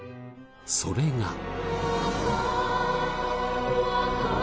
それが。